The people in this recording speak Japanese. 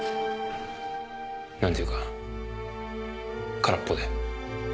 なんていうか空っぽで。